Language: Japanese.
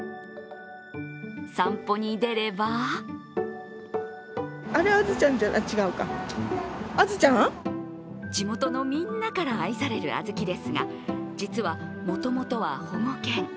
散歩に出れば地元のみんなから愛されるあずきですが、実はもともとは保護犬。